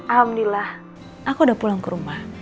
alhamdulillah aku udah pulang ke rumah